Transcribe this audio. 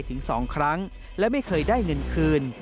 ถึง๒ครั้งและไม่เคยได้เงินคืน